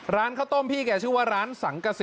ร้านข้าวต้มพี่แกชื่อว่าร้านสังกษิ